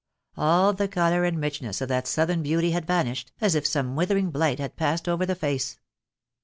All the colour and richness of that southern beauty had vanished, as if some withering blight had passed over the face.